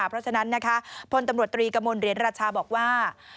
เพราะฉะนั้นนะคะพลตำรวจตรีกระมวลเหรียญราชาบอกว่า